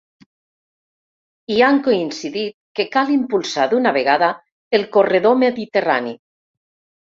I han coincidit que cal impulsar d’una vegada el corredor mediterrani.